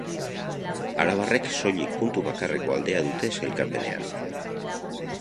Arabarrek soilik puntu bakarreko aldea dute sailkapenean.